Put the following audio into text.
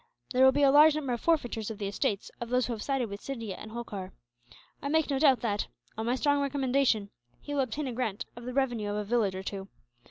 There will be a large number of forfeitures of the estates of those who have sided with Scindia and Holkar. I make no doubt that, on my strong recommendation, he will obtain a grant of the revenue of a village or two.